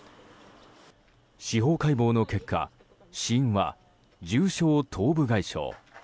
司法解剖の結果死因は重症頭部外傷。